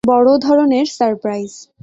বড় ধরনের সারপ্রাইজ!